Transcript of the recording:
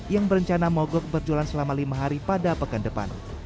yang berencana mogok berjualan selama lima hari pada pekan depan